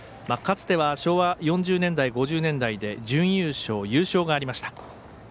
かつては昭和４０年代５０年代で準優勝、優勝がありました。